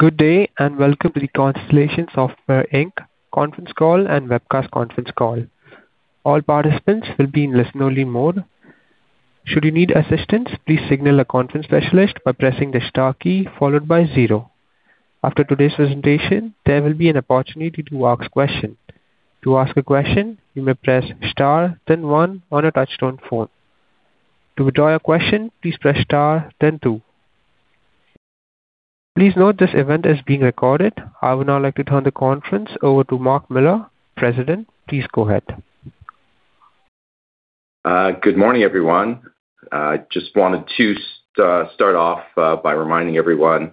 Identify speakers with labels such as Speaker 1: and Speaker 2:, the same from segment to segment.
Speaker 1: Good day, welcome to the Constellation Software Inc. conference call and webcast conference call. All participants will be in listen-only mode. Should you need assistance, please signal a conference specialist by pressing the star key followed by zero. After today's presentation, there will be an opportunity to ask questions. To ask a question, you may press star then one on a touchtone phone. To withdraw your question, please press star then two. Please note this event is being recorded. I would now like to turn the conference over to Mark Miller, President. Please go ahead.
Speaker 2: Good morning, everyone. Just wanted to start off by reminding everyone,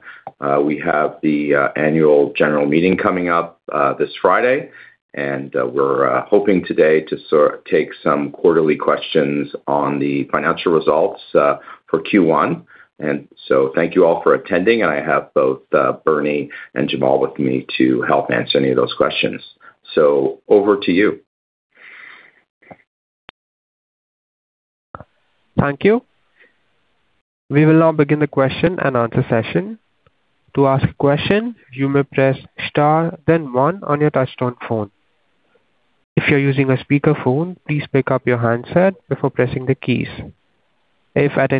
Speaker 2: we have the annual general meeting coming up this Friday, and we're hoping today to sort of take some quarterly questions on the financial results for Q1. Thank you all for attending, and I have both Bernie and Jamal with me to help answer any of those questions. Over to you.
Speaker 1: Thank you. We will now begin the question and answer session. The first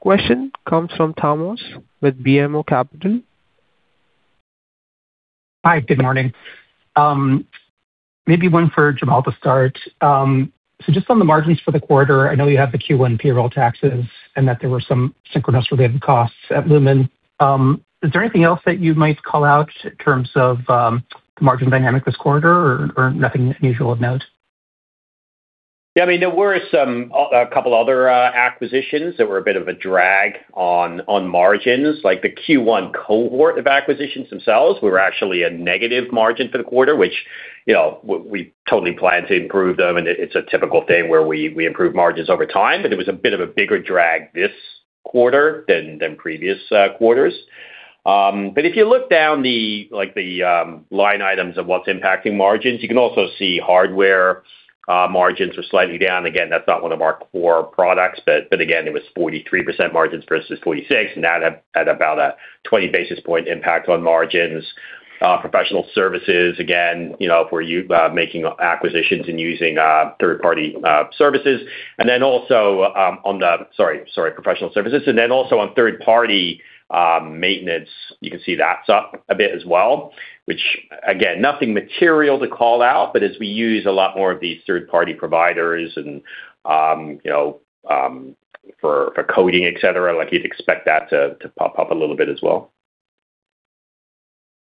Speaker 1: question comes from Thanos with BMO Capital.
Speaker 3: Hi, good morning. Maybe one for Jamal to start. Just on the margins for the quarter, I know you have the Q1 payroll taxes and that there were some Synchronoss related costs at Lumine. Is there anything else that you might call out in terms of the margin dynamic this quarter or nothing unusual of note?
Speaker 4: Yeah, I mean, there were some a couple other acquisitions that were a bit of a drag on margins, like the Q1 cohort of acquisitions themselves were actually a negative margin for the quarter, which, you know, we totally plan to improve them, and it is a typical thing where we improve margins over time. It was a bit of a bigger drag this quarter than previous quarters. If you look down the like the line items of what's impacting margins, you can also see hardware margins are slightly down. Again, that's not one of our core products, but again, it was 43% margins versus 46%, and that had about a 20 basis point impact on margins. Professional services, again, you know, if we're making acquisitions and using third-party services. On the professional services. On third-party maintenance, you can see that's up a bit as well, which again, nothing material to call out, but as we use a lot more of these third-party providers and, you know, for coding, et cetera, like you'd expect that to pop up a little bit as well.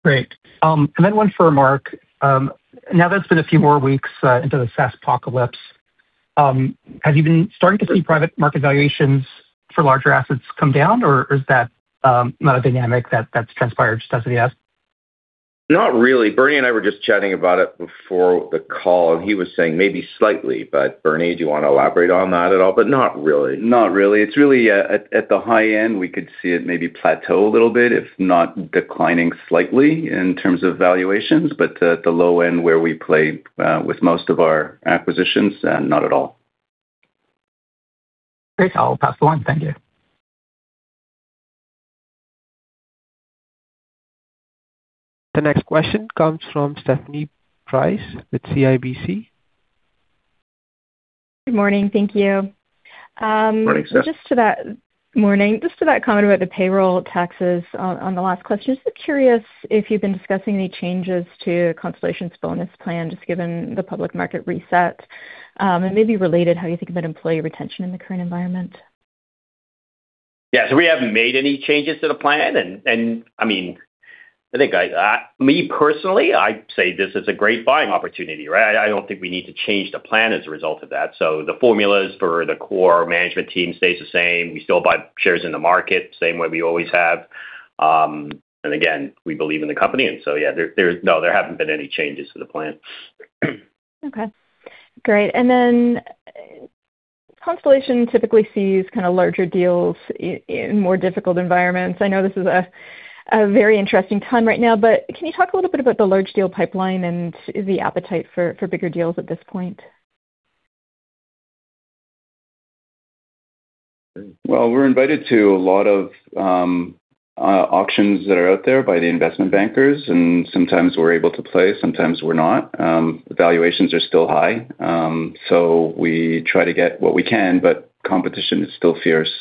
Speaker 3: Great. Then one for Mark. Now that it's been a few more weeks, into the SaaSpocalypse, have you been starting to see private market valuations for larger assets come down or is that not a dynamic that's transpired just as of yet?
Speaker 2: Not really. Bernie and I were just chatting about it before the call, and he was saying maybe slightly. Bernie, do you wanna elaborate on that at all? Not really.
Speaker 5: Not really. It's really, at the high end, we could see it maybe plateau a little bit, if not declining slightly in terms of valuations. At the low end where we play, with most of our acquisitions, not at all.
Speaker 3: Great. I'll pass along. Thank you.
Speaker 1: The next question comes from Stephanie Price with CIBC.
Speaker 6: Good morning. Thank you.
Speaker 4: Morning, Steph.
Speaker 6: Morning. Just to that comment about the payroll taxes on the last question, just curious if you've been discussing any changes to Constellation's bonus plan, just given the public market reset, and maybe related how you think about employee retention in the current environment?
Speaker 4: Yeah. We haven't made any changes to the plan. I mean, I think me personally, I'd say this is a great buying opportunity, right? I don't think we need to change the plan as a result of that. The formulas for the core management team stays the same. We still buy shares in the market, same way we always have. Again, we believe in the company. Yeah, there's no, there haven't been any changes to the plan.
Speaker 6: Okay. Great. Constellation typically sees kind of larger deals in more difficult environments. I know this is a very interesting time right now. Can you talk a little bit about the large deal pipeline and the appetite for bigger deals at this point?
Speaker 5: Well, we're invited to a lot of auctions that are out there by the investment bankers, and sometimes we're able to play, sometimes we're not. Valuations are still high. We try to get what we can, but competition is still fierce.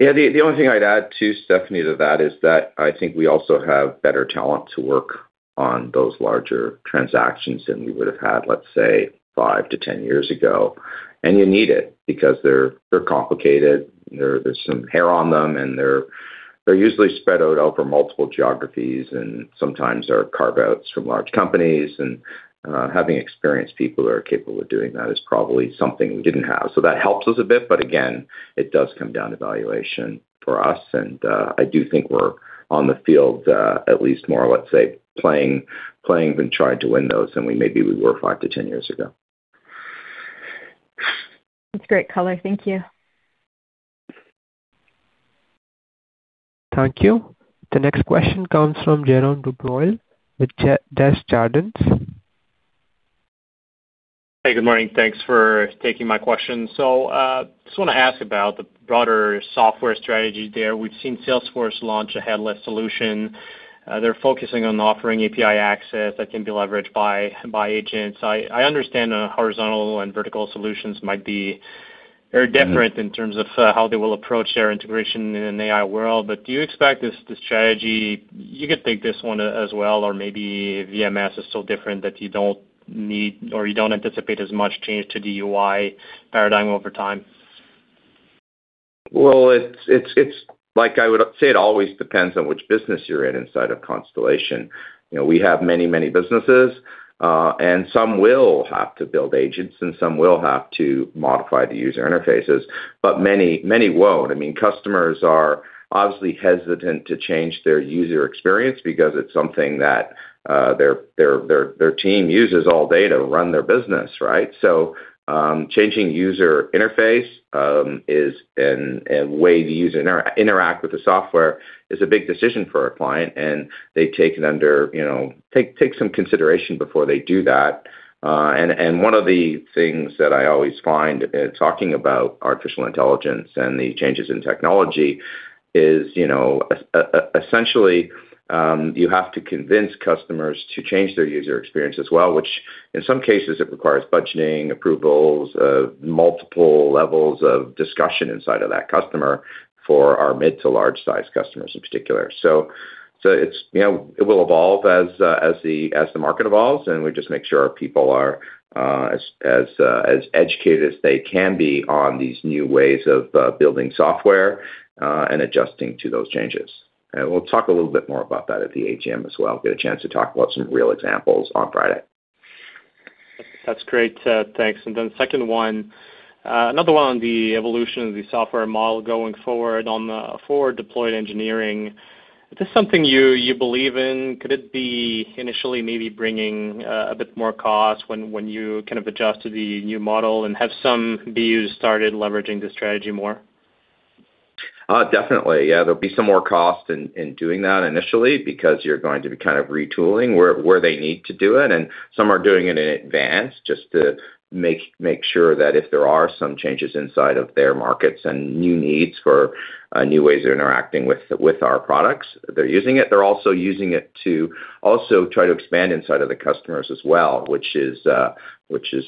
Speaker 4: The only thing I'd add to Stephanie to that is that I think we also have better talent to work on those larger transactions than we would have had, let's say, five to 10 years ago. You need it because they're complicated. There, there's some hair on them, and they're usually spread out over multiple geographies and sometimes are carve-outs from large companies. Having experienced people who are capable of doing that is probably something we didn't have. So that helps us a bit, but again, it does come down to valuation for us. I do think we're on the field, at least more, let's say, playing than trying to win those than we maybe we were five to 10 years ago.
Speaker 6: That's great color. Thank you.
Speaker 1: Thank you. The next question comes from Jérome Dubreuil with Desjardins.
Speaker 7: Hey, good morning. Thanks for taking my question. Just wanna ask about the broader software strategy there. We've seen Salesforce launch a headless solution. They're focusing on offering API access that can be leveraged by agents. I understand horizontal and vertical solutions might be very different- In terms of how they will approach their integration in an AI world, do you expect this strategy You could take this one as well, or maybe VMS is so different that you don't need or you don't anticipate as much change to the UI paradigm over time?
Speaker 2: Well, it's like I would say it always depends on which business you're in inside of Constellation. You know, we have many, many businesses, and some will have to build agents, and some will have to modify the user interfaces, but many, many won't. I mean, customers are obviously hesitant to change their user experience because it's something that their team uses all day to run their business, right? Changing user interface is a way the user interact with the software is a big decision for a client, and they take it under, you know, take some consideration before they do that. One of the things that I always find talking about artificial intelligence and the changes in technology is, you know, essentially, you have to convince customers to change their user experience as well, which in some cases it requires budgeting, approvals, multiple levels of discussion inside of that customer for our mid to large size customers in particular. It's, you know, it will evolve as the market evolves, and we just make sure our people are as educated as they can be on these new ways of building software and adjusting to those changes. We'll talk a little bit more about that at the AGM as well. Get a chance to talk about some real examples on Friday.
Speaker 7: That's great. thanks. Second one, another one on the evolution of the software model going forward. On the forward deployed engineering, is this something you believe in? Could it be initially maybe bringing, a bit more cost when you kind of adjust to the new model? Have some BUs started leveraging the strategy more?
Speaker 2: Definitely. There'll be some more cost in doing that initially because you're going to be kind of retooling where they need to do it, and some are doing it in advance just to make sure that if there are some changes inside of their markets and new needs for new ways of interacting with our products, they're using it. They're also using it to also try to expand inside of the customers as well, which is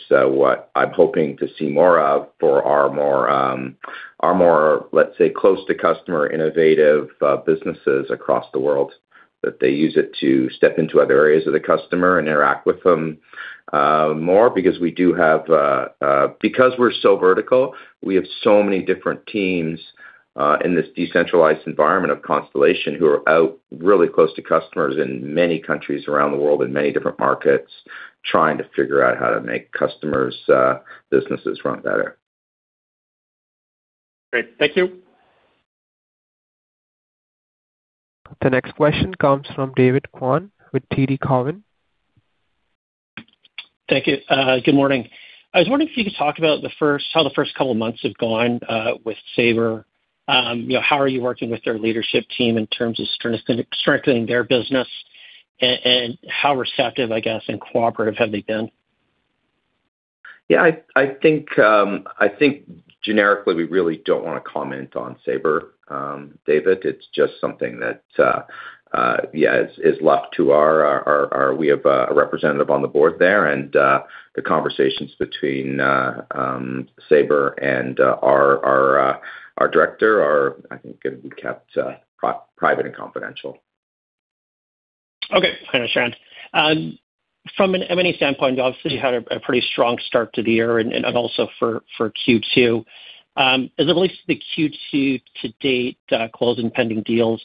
Speaker 2: what I'm hoping to see more of for our more, our more, let's say, close to customer innovative businesses across the world, that they use it to step into other areas of the customer and interact with them more. Because we're so vertical, we have so many different teams in this decentralized environment of Constellation who are out really close to customers in many countries around the world, in many different markets, trying to figure out how to make customers businesses run better.
Speaker 7: Great. Thank you.
Speaker 1: The next question comes from David Kwan with TD Cowen.
Speaker 8: Thank you. Good morning. I was wondering if you could talk about how the first couple months have gone with Sabre. You know, how are you working with their leadership team in terms of strengthening their business? How receptive, I guess, and cooperative have they been?
Speaker 2: I think, I think generically, we really don't wanna comment on Sabre, David. It's just something that is left to our We have a representative on the board there, and the conversations between Sabre and our director are, I think, gonna be kept private and confidential.
Speaker 8: Okay. Understand. From an M&A standpoint, you obviously had a pretty strong start to the year and also for Q2. As it relates to the Q2 to date, close and pending deals,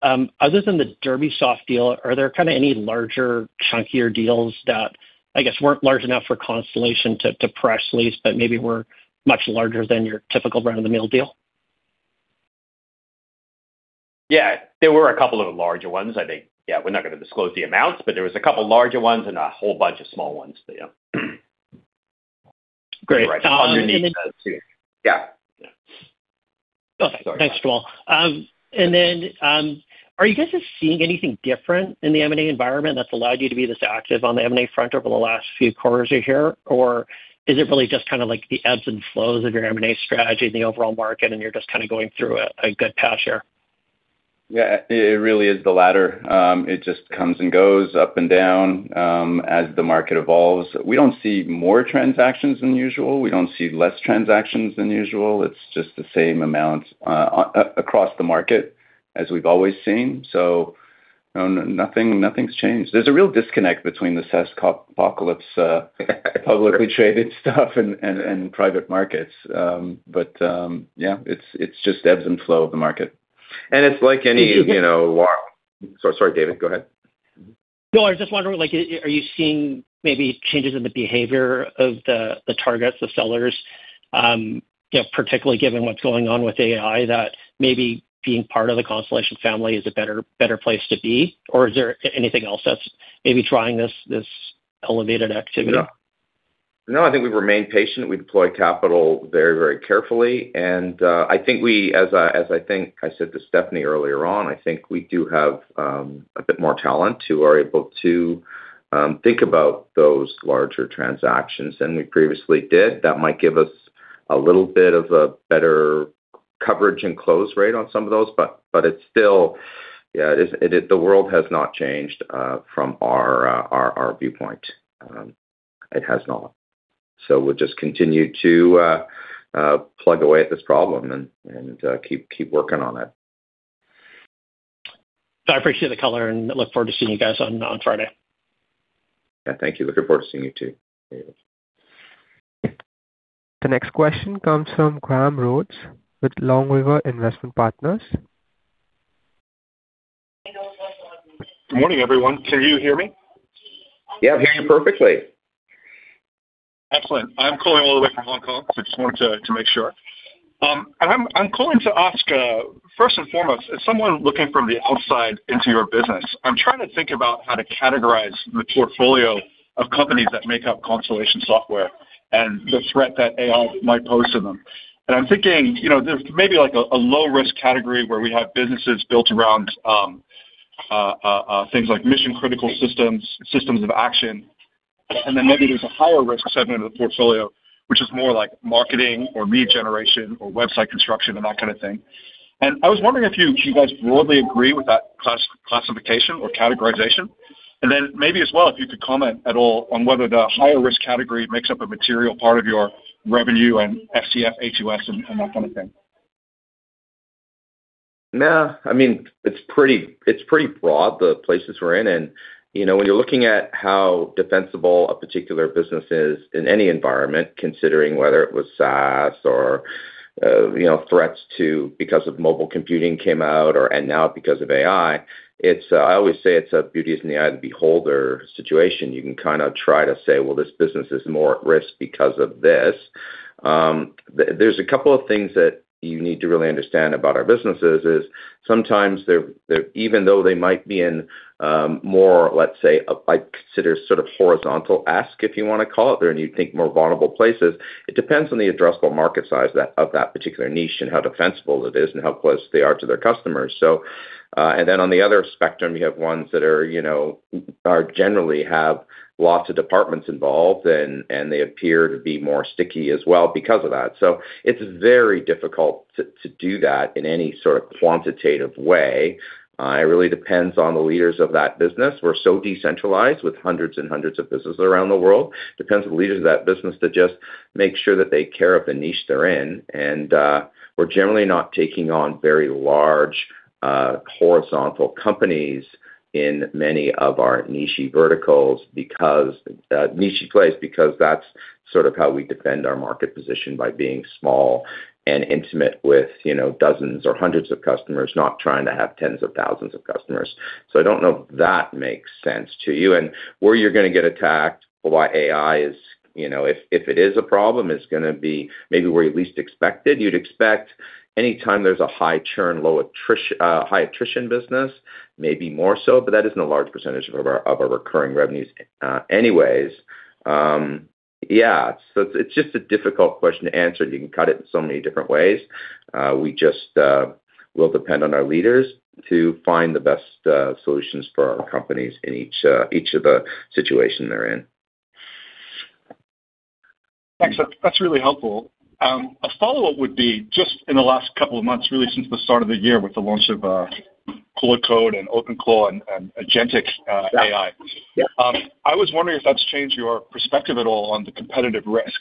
Speaker 8: other than the DerbySoft deal, are there kinda any larger, chunkier deals that I guess weren't large enough for Constellation to press release, but maybe were much larger than your typical run-of-the-mill deal?
Speaker 4: Yeah. There were a couple of larger ones, I think. We're not going to disclose the amounts, but there was a couple larger ones and a whole bunch of small ones. Yeah.
Speaker 8: Great.
Speaker 4: Underneath those two. Yeah.
Speaker 8: Okay. Thanks, Jamal. Then, are you guys just seeing anything different in the M&A environment that's allowed you to be this active on the M&A front over the last few quarters here? Is it really just kinda like the ebbs and flows of your M&A strategy in the overall market and you're just kinda going through a good patch here?
Speaker 2: Yeah. It really is the latter. It just comes and goes, up and down, as the market evolves. We don't see more transactions than usual. We don't see less transactions than usual. It's just the same amount across the market as we've always seen. No, nothing's changed. There's a real disconnect between the SaaSpocalypse publicly traded stuff and private markets. Yeah, it's just ebbs and flow of the market. It's like any, you know.
Speaker 8: Did you get-
Speaker 2: Sorry, David. Go ahead.
Speaker 8: I was just wondering like, are you seeing maybe changes in the behavior of the targets, the sellers, you know, particularly given what's going on with AI, that maybe being part of the Constellation family is a better place to be? Or is there anything else that's maybe driving this elevated activity?
Speaker 2: No, I think we've remained patient. We deploy capital very, very carefully. I think we as I think I said to Stephanie earlier on, I think we do have a bit more talent who are able to think about those larger transactions than we previously did. That might give us a little bit of a better coverage and close rate on some of those. The world has not changed from our viewpoint. It has not. We'll just continue to plug away at this problem and keep working on it.
Speaker 8: I appreciate the color and look forward to seeing you guys on Friday.
Speaker 2: Yeah. Thank you. Looking forward to seeing you too.
Speaker 1: The next question comes from Graham Rhodes with Longriver Investment Partners.
Speaker 9: Good morning, everyone. Can you hear me?
Speaker 2: Yeah, I'm hearing you perfectly.
Speaker 9: Excellent. I'm calling all the way from Hong Kong, so I just wanted to make sure. I'm calling to ask, first and foremost, as someone looking from the outside into your business, I'm trying to think about how to categorize the portfolio of companies that make up Constellation Software and the threat that AI might pose to them. I'm thinking, you know, there's maybe like a low-risk category where we have businesses built around things like mission-critical systems of action, and then maybe there's a higher risk segment of the portfolio, which is more like marketing or lead generation or website construction and that kind of thing. I was wondering if you guys broadly agree with that class-classification or categorization. Maybe as well, if you could comment at all on whether the higher risk category makes up a material part of your revenue and FCFaS and that kind of thing.
Speaker 2: No, I mean, it's pretty, it's pretty broad, the places we're in, you know, when you're looking at how defensible a particular business is in any environment, considering whether it was SaaS or, you know, threats to because of mobile computing came out and now because of AI, it's, I always say it's a beauty is in the eye of the beholder situation. You can kind of try to say, "Well, this business is more at risk because of this." There's a couple of things that you need to really understand about our businesses is sometimes they're even though they might be in, more, let's say, I consider sort of horizontal ask, if you wanna call it, or you think more vulnerable places, it depends on the addressable market size of that particular niche and how defensible it is and how close they are to their customers. On the other spectrum, you have ones that are, you know, are generally have lots of departments involved and they appear to be more sticky as well because of that. It's very difficult to do that in any sort of quantitative way. It really depends on the leaders of that business. We're so decentralized with hundreds and hundreds of businesses around the world. Depends on the leaders of that business to just make sure that they care of the niche they're in. We're generally not taking on very large horizontal companies in many of our niche verticals because that's sort of how we defend our market position by being small and intimate with, you know, dozens or hundreds of customers, not trying to have tens of thousands of customers. I don't know if that makes sense to you. Where you're gonna get attacked by AI is, you know, if it is a problem, it's gonna be maybe where you least expect it. You'd expect any time there's a high churn, high attrition business, maybe more so, but that isn't a large percentage of our, of our recurring revenues, anyways. Yeah. It's just a difficult question to answer. You can cut it in so many different ways. We just, we'll depend on our leaders to find the best solutions for our companies in each of the situation they're in.
Speaker 9: Thanks. That's really helpful. A follow-up would be just in the last couple of months, really since the start of the year with the launch of Claude Code and OpenClaw and Agentic AI.
Speaker 2: Yeah.
Speaker 9: I was wondering if that's changed your perspective at all on the competitive risk.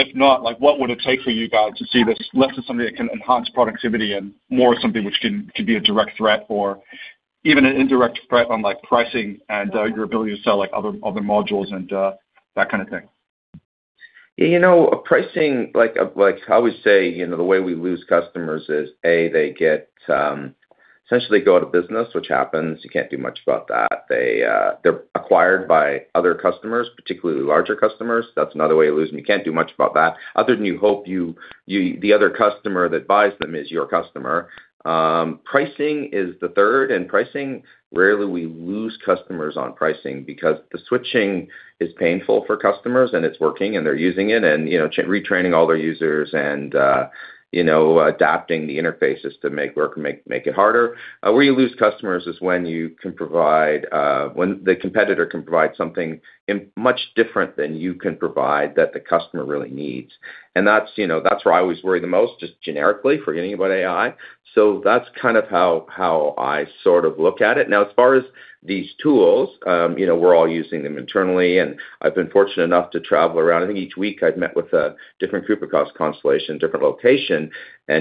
Speaker 9: If not, like, what would it take for you guys to see this less as something that can enhance productivity and more something which can be a direct threat or even an indirect threat on, like, pricing and your ability to sell like other modules and that kind of thing?
Speaker 2: You know, pricing like I always say, you know, the way we lose customers is, A. they get, essentially go out of business, which happens. You can't do much about that. They, they're acquired by other customers, particularly larger customers. That's another way of losing. You can't do much about that other than you hope you the other customer that buys them is your customer. Pricing is the third, and pricing, rarely we lose customers on pricing because the switching is painful for customers, and it's working, and they're using it and, you know, retraining all their users and, you know, adapting the interfaces to make work, make it harder. Where you lose customers is when you can provide, when the competitor can provide something in much different than you can provide that the customer really needs. That's, you know, that's where I always worry the most, just generically forgetting about AI. That's kind of how I sort of look at it. As far as these tools, you know, we're all using them internally, and I've been fortunate enough to travel around. I think each week I've met with a different group of Constellation Software, different location, and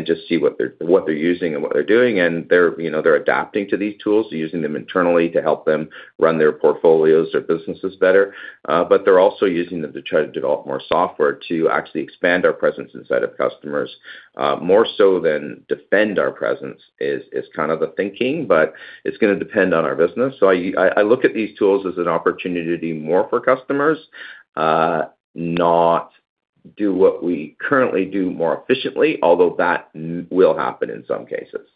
Speaker 2: just see what they're, what they're using and what they're doing. They're, you know, they're adapting to these tools. They're using them internally to help them run their portfolios, their businesses better. They're also using them to try to develop more software to actually expand our presence inside of customers, more so than defend our presence is kind of the thinking, but it's gonna depend on our business. I look at these tools as an opportunity to do more for customers, not do what we currently do more efficiently, although that will happen in some cases.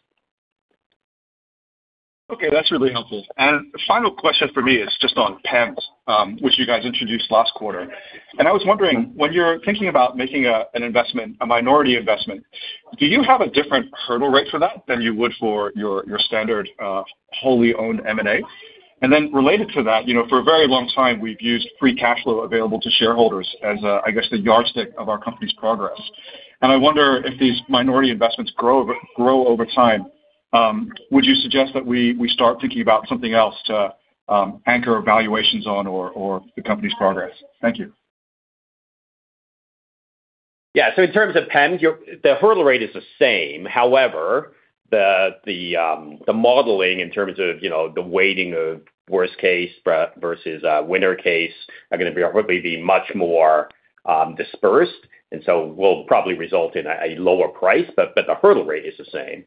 Speaker 9: Okay, that's really helpful. Final question for me is just on PEMS, which you guys introduced last quarter. I was wondering, when you're thinking about making an investment, a minority investment, do you have a different hurdle rate for that than you would for your standard, wholly owned M&A? Then related to that, you know, for a very long time, we've used free cash flow available to shareholders as, I guess the yardstick of our company's progress. I wonder if these minority investments grow over time, would you suggest that we start thinking about something else to anchor evaluations on or the company's progress? Thank you.
Speaker 4: Yeah. So in terms of PEM, the hurdle rate is the same. However, the modeling in terms of, you know, the weighting of worst case versus winner case are gonna be, probably be much more dispersed, and so will probably result in a lower price, but the hurdle rate is the same.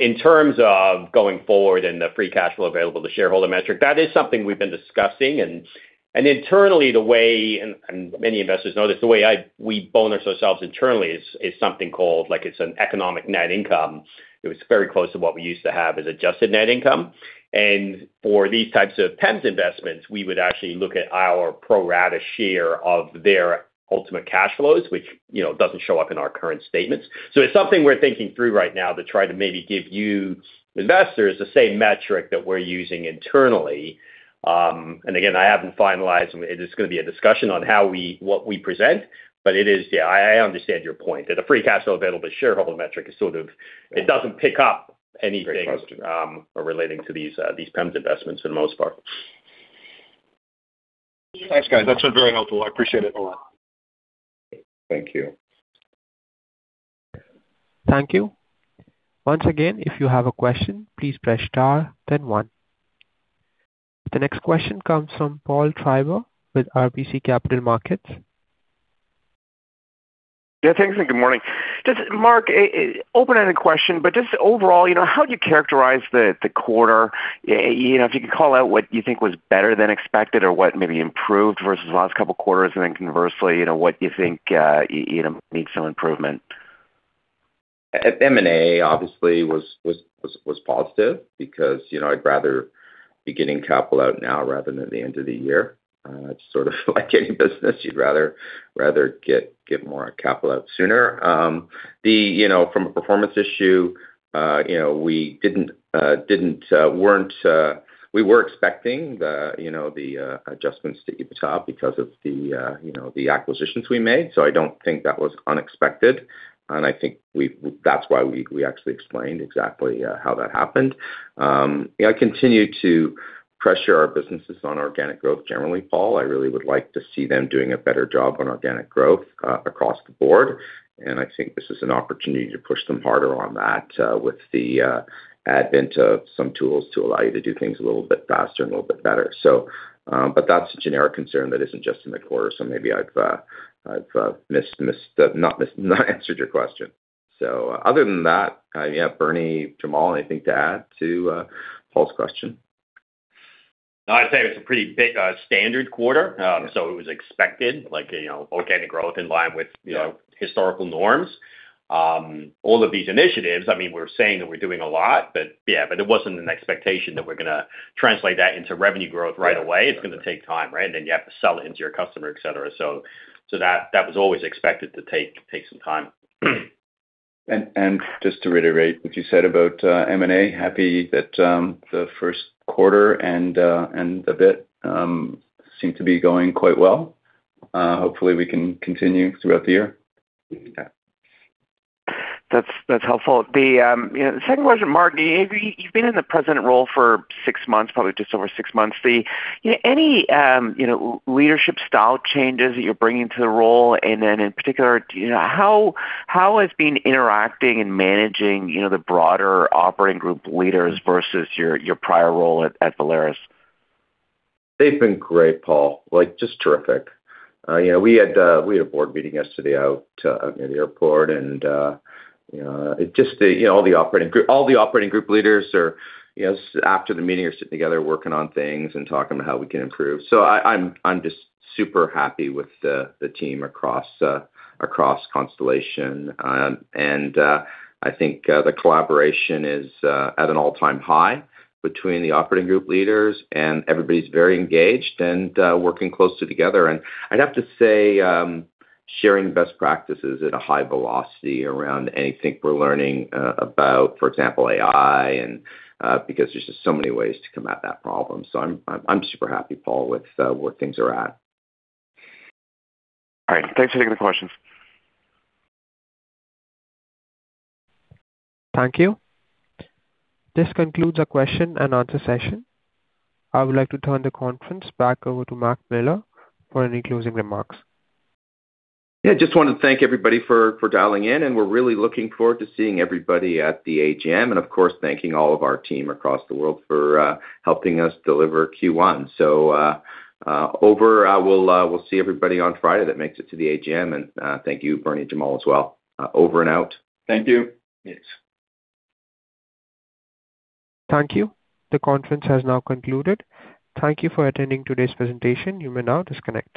Speaker 4: In terms of going forward and the free cash flow available to shareholders metric, that is something we've been discussing. Internally, the way, and many investors know this, the way we bonus ourselves internally is something called like it's an economic net income. It was very close to what we used to have as adjusted net income. For these types of PEM investments, we would actually look at our pro rata share of their ultimate cash flows, which, you know, doesn't show up in our current statements. It's something we're thinking through right now to try to maybe give you investors the same metric that we're using internally. Again, I haven't finalized, and it is going to be a discussion on how we present, but it is. I understand your point, that the free cash flow available to shareholders metric.
Speaker 9: Yeah.
Speaker 4: It doesn't pick up anything.
Speaker 2: Great question.
Speaker 4: Relating to these PEM investments for the most part.
Speaker 9: Thanks, guys. That's very helpful. I appreciate it a lot.
Speaker 2: Thank you.
Speaker 1: Thank you. Once again, if you have a question, please press star then one. The next question comes from Paul Treiber with RBC Capital Markets.
Speaker 10: Yeah, thanks. Good morning. Just Mark, an open-ended question, but just overall, you know, how do you characterize the quarter? You know, if you could call out what you think was better than expected or what maybe improved versus the last couple of quarters, conversely, you know, what you think, you know, needs some improvement?
Speaker 2: M&A obviously was positive because, you know, I'd rather be getting capital out now rather than at the end of the year. It's sort of like any business. You'd rather get more capital out sooner. The, you know, from a performance issue, you know, We were expecting the, you know, the adjustments to EBITDA because of the, you know, the acquisitions we made. I don't think that was unexpected, and I think we that's why we actually explained exactly how that happened. Yeah, I continue to pressure our businesses on organic growth generally, Paul. I really would like to see them doing a better job on organic growth across the board, and I think this is an opportunity to push them harder on that with the advent of some tools to allow you to do things a little bit faster and a little bit better. But that's a generic concern that isn't just in the quarter, so maybe I've missed, not answered your question. Other than that, yeah, Bernie, Jamal, anything to add to Paul's question?
Speaker 4: No, I'd say it's a pretty big, standard quarter. It was expected, like, you know, organic growth in line with, you know, historical norms. All of these initiatives, I mean, we're saying that we're doing a lot, but yeah, but it wasn't an expectation that we're gonna translate that into revenue growth right away. It's gonna take time, right? You have to sell it into your customer, et cetera. That was always expected to take some time.
Speaker 2: Just to reiterate what you said about M&A, happy that the first quarter and the bid seem to be going quite well. Hopefully we can continue throughout the year.
Speaker 10: That's helpful. The, you know, the second question, Mark, you've been in the President role for six months, probably just over six months. The, you know, any, you know, leadership style changes that you're bringing to the role? In particular, you know, how has been interacting and managing, you know, the broader operating group leaders versus your prior role at Volaris?
Speaker 2: They've been great, Paul. Like, just terrific. You know, we had a board meeting yesterday out near the airport and, you know, just the, you know, all the operating group leaders are, you know, after the meeting are sitting together working on things and talking about how we can improve. I'm just super happy with the team across Constellation. I think the collaboration is at an all-time high between the operating group leaders, everybody's very engaged and working closely together. I'd have to say, sharing best practices at a high velocity around anything we're learning about, for example, AI because there's just so many ways to come at that problem. I'm super happy, Paul, with where things are at.
Speaker 10: All right. Thanks for taking the questions.
Speaker 1: Thank you. This concludes our question and answer session. I would like to turn the conference back over to Mark Miller for any closing remarks.
Speaker 2: Yeah, just wanna thank everybody for dialing in. We're really looking forward to seeing everybody at the AGM. Of course, thanking all of our team across the world for helping us deliver Q1. We'll see everybody on Friday that makes it to the AGM. Thank you, Bernie, Jamal as well. Over and out.
Speaker 4: Thank you.
Speaker 5: Yes.
Speaker 1: Thank you. The conference has now concluded. Thank you for attending today's presentation. You may now disconnect.